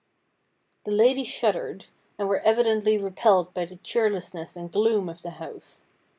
The ladies shuddered, and were evidently repelled by the cheerlessness and gloom of the house.